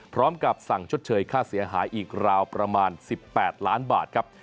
พร้อมกับสั่งชดเชยค่าเสียหายอีกราวประมาณ๑๘ล้านบาทครับ